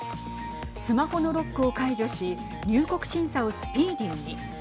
スマホのロックを解除し入国審査をスピーディーに。